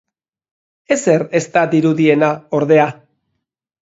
Ezer ez da dirudiena, ordea.